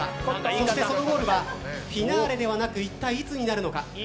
そしてそのゴールはフィナーレではなくいったい、いつになるのか。